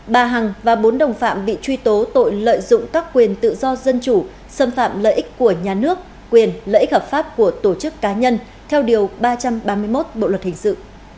bà hằng và bốn đồng phạm bị truy tố tội lợi dụng các quyền tự do dân chủ xâm phạm lợi ích của nhà nước quyền lợi ích hợp pháp của tổ chức cá nhân theo điều ba trăm ba mươi một bộ luật hình sự